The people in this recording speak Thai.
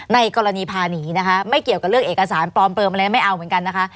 ในกรณีพาหนีนะคะไม่เกี่ยวกับเรื่องเอกสารปลอมเปลือมอะไรไม่เอาเหมือนกันนะคะ